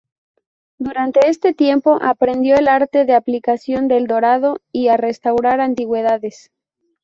Durante este tiempo aprendió el arte de aplicación del dorado y a restaurar antigüedades.